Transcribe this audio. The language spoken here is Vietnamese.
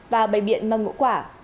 và bày biện mâm ngũ quả